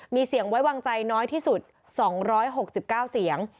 มีเสียงไว้วางใจน้อยที่สุดสองร้อยหกสิบเก้าเสียง